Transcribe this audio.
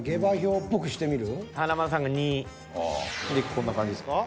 こんな感じですか？